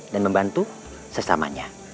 dan membantu sesamanya